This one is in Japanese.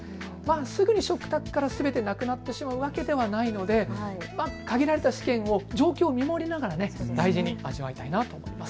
すぐに食卓からすべてなくなってしまうわけではないので限られた資源を情報を見守りながら大事に味わいたいなと思います。